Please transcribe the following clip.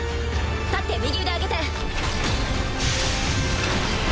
立って右腕上げて。